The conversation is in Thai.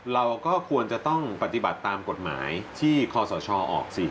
เราก็ควรจะต้องปฏิบัติตามกฎหมายที่คอสชออกสิ